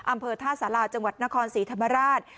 อำเภอท่าสาราจังหวัดนครศรีธรรมราช